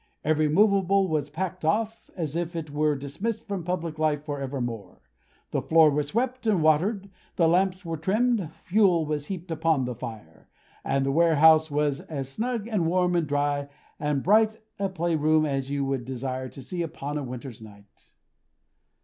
Every movable was packed off, as if it were dismissed from public life for evermore; the floor was swept and watered, the lamps were trimmed, fuel was heaped upon the fire; and the warehouse was as snug, and warm, and dry, and bright a play room as you would desire to see upon a winter's night.